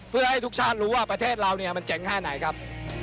เพื่อให้ทุกชาติรู้ว่าประเทศเราเนี่ยมันเจ๋งแค่ไหนครับ